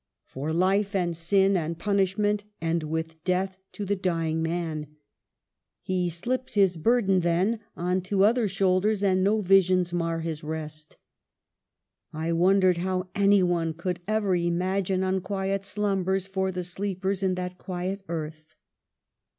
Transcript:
For life and sin and punishment end with death to the dying man ; he slips his burden then on to other shoulders, and no visions mar his rest. " I wondered how any one could ever imagine unquiet slumbers for the sleepers in that quiet earth."